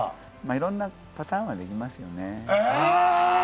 いろんなパターンはできますよね。